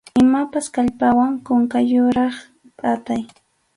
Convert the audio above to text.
Imapas kallpawan kunkayuqraq phatay.